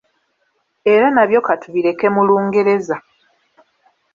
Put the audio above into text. Era nabyo katubireke mu Lungereza: